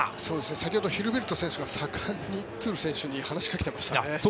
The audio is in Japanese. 先ほど、ヒルベルト選手が盛んにトゥル選手に話しかけていましたね。